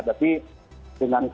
tapi dengan kebenaran